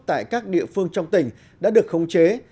tại các địa phương trong tỉnh đã được khống chế